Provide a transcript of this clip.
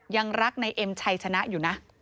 ยังรักในเอ็มชัยชนะอยู่นะ